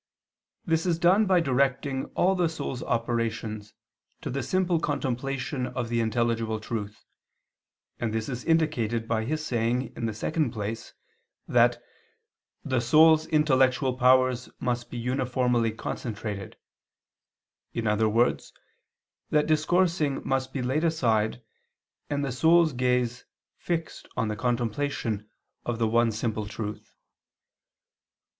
This is done by directing all the soul's operations to the simple contemplation of the intelligible truth, and this is indicated by his saying in the second place that "the soul's intellectual powers must be uniformly concentrated," in other words that discoursing must be laid aside and the soul's gaze fixed on the contemplation of the one simple truth.